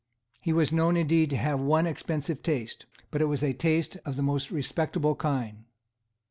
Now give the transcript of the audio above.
He was known indeed to have one expensive taste; but it was a taste of the most respectable kind.